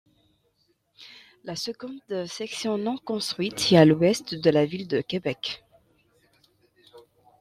La seconde section non construite est à l'ouest de la ville de Québec.